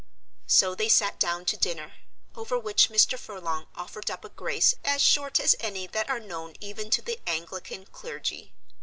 So they sat down to dinner, over which Mr. Furlong offered up a grace as short as any that are known even to the Anglican clergy.